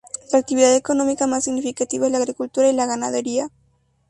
Su actividad económica más significativa es la agricultura y la Ganadería.